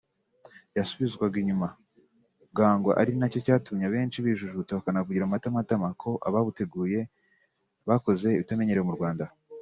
yasubizwaga inyuma bwangu ari nacyo cyatumaga benshi bijujuta bakanavugira mu matamatama ko ‘ababuteguye bakoze ibitamenyerewe mu Rwanda’